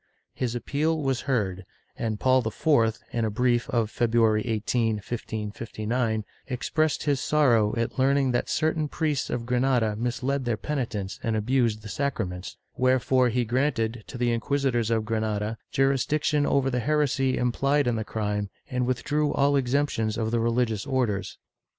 ^ His appeal was heard, and Paul IV, in a brief of February 18, 1559, expressed his sorrow at learning that certain priests of Granada misled their penitents and abused the sacraments, wherefore he granted, to the inquisitors of Granada, jurisdiction over the heresy implied in the crime and withdrew all exemptions of the religious Orders.